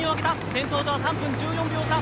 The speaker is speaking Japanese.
先頭とは３分１４秒差。